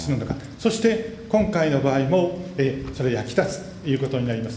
そして、今回の場合もそれ、役立つということになります。